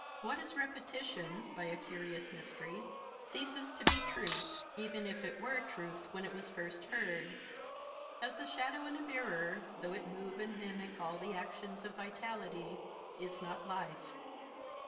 What is repetition, by a curious mystery, ceases to be truth, even if it were truth when it was first heard; as the shadow in a mirror, though it move and mimic all the actions of vitality, is not life.